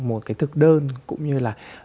một cái thực đơn cũng như là